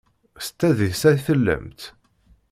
S tadist ay tellamt?